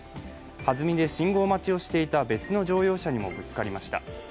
はずみで信号待ちをしていた別の乗用車にもぶつかりました。